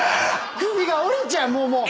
首が折れちゃう！